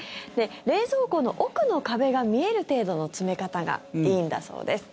冷蔵庫の奥の壁が見える程度の詰め方がいいんだそうです。